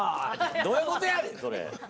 どういうことやねん！